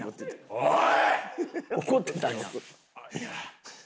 おい！